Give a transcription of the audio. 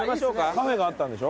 カフェがあったんでしょ？